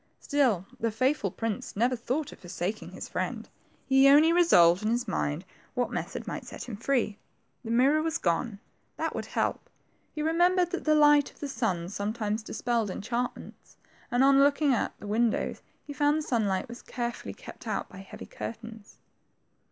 Still the faithful prince never thought of forsaking his friend. He only revolved in his mind what method might set him free. The mirror was gone ; that THE TWO FRINGES. 85 would help. He remembered that the light of the sun sometimes dispelled enchantments, and on look ing at the windoWs, he found the sunlight was care fully kept out by heavy curtains.